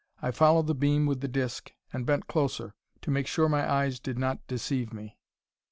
I followed the beam with the disc, and bent closer, to make sure my eyes did not deceive me.